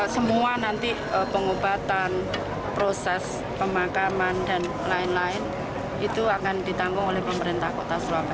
semua nanti pengobatan proses pemakaman dan lain lain itu akan ditanggung oleh pemerintah kota surabaya